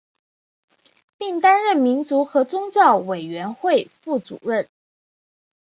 并担任民族和宗教委员会副主任。